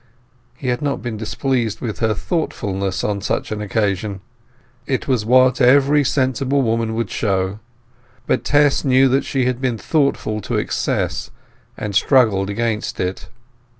He had not been displeased with her thoughtfulness on such an occasion; it was what every sensible woman would show: but Tess knew that she had been thoughtful to excess, and struggled against it.